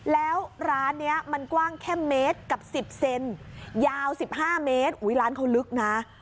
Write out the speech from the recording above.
แล้วร้านนี้มันกว้างแค่เมตรกับ๑๐เซนยาว๑๕เมตรอุ้ยร้านเขาลึกนะ